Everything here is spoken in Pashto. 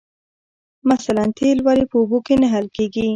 مثلاً تیل ولې په اوبو کې نه حل کیږي